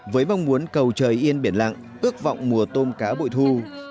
với mong muốn cầu trời yên biển lặng ước vọng mùa tôm cá bụi thuốc